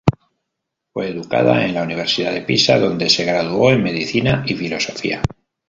Fue educado en la Universidad de Pisa, donde se graduó en Medicina y Filosofía.